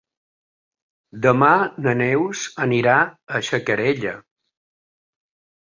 Demà na Neus anirà a Xacarella.